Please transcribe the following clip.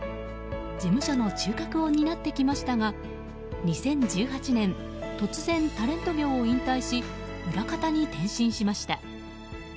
事務所の中核を担ってきましたが２０１８年、突然タレント業を引退し裏方に転身しました。